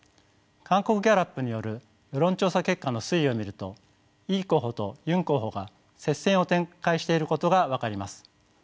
韓国ギャラップによる世論調査結果の推移を見るとイ候補とユン候補が接戦を展開していることが分かります。